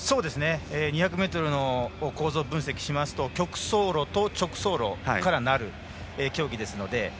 ２００ｍの構造を分析しますと曲走路と直走路からなる競技ですので。